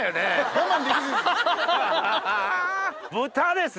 我慢できずに。